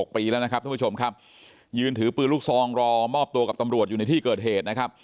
ปีแล้วนะครับท่านผู้ชมครับยืนถือปืนลูกซองรอมอบตัวกับตำรวจอยู่ในที่เกิดเหตุนะครับ